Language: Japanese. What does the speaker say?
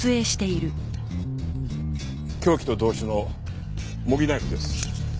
「凶器と同種の模擬ナイフです」